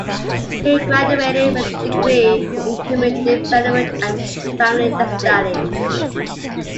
He graduated with a degree in human development and family studies.